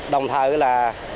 đồng thời là